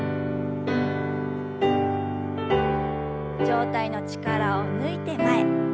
上体の力を抜いて前。